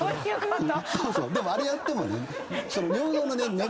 でもあれやってもね。